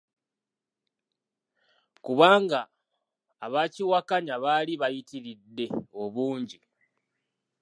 Kubanga abakiwakanya baali bayitiridde obungi.